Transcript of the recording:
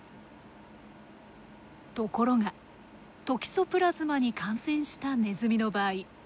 ところがトキソプラズマに感染したネズミの場合。